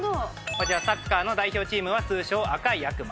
こちら、サッカーの代表チームは通称、赤い悪魔。